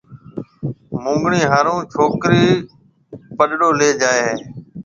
مونگڻيَ ھارو ڇوڪرَي آݪا پڏݪو ليَ جائي ھيََََ